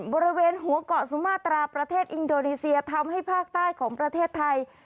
บริเวณหัวเกาะสุมาตราประเทศอินโดนีเซียทำให้ภาคใต้ของประเทศไทย